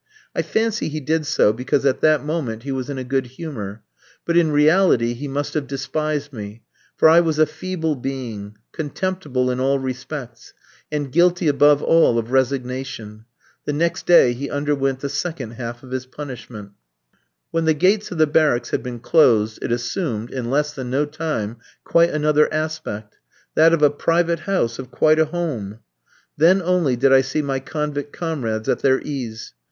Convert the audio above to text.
I fancy he did so, because at that moment he was in a good humour. But in reality he must have despised me, for I was a feeble being, contemptible in all respects, and guilty above all of resignation. The next day he underwent the second half of his punishment. When the gates of the barracks had been closed, it assumed, in less than no time, quite another aspect that of a private house, of quite a home. Then only did I see my convict comrades at their ease.